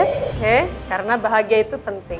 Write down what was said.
oke karena bahagia itu penting